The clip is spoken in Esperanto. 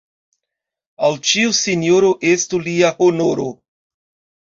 Al ĉiu sinjoro estu lia honoro.